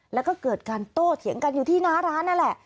แล้วก็เกิดการโต้เถียงกันอยู่ที่หน้าร้านนั่นแหละ